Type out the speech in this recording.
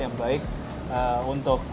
yang baik untuk